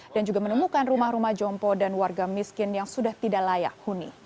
dan juga menemukan rumah rumah jompo dan warga miskin yang sudah tidak layak huni